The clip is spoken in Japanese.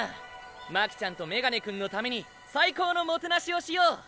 巻ちゃんとメガネくんのために最高のもてなしをしよう。